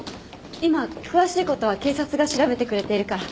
今詳しいことは警察が調べてくれているから。